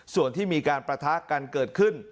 ส่วนที่มีการประทะกันเกิดขึ้น